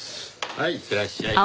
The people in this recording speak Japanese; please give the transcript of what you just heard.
はいいってらっしゃい。